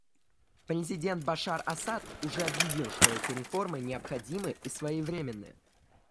Президент Башар Асад уже объявил, что эти реформы необходимы и своевременны.